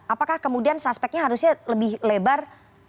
apakah kemudian suspeknya harusnya lebih lebar